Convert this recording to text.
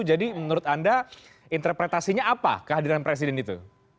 jadi menurut anda interpretasinya apa kehadiran presiden itu